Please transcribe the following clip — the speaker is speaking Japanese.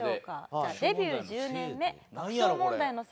じゃあ「デビュー１０年目爆笑問題のせいで」